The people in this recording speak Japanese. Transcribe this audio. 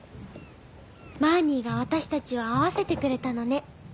マーニーが私たちを会わせてくれたのね。